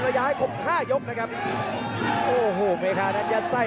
พยายามจะได้